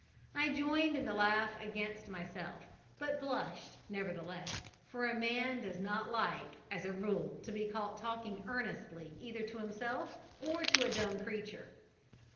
I joined in the laugh against myself, but blushed, nevertheless, for man does not like, as a rule, to be caught talking earnestly either to himself or to a dumb creature.